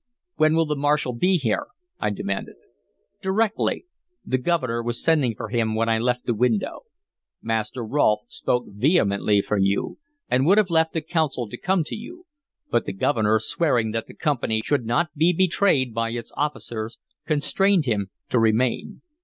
"When will the marshal be here?" I demanded. "Directly. The Governor was sending for him when I left the window. Master Rolfe spoke vehemently for you, and would have left the Council to come to you; but the Governor, swearing that the Company should not be betrayed by its officers, constrained him to remain.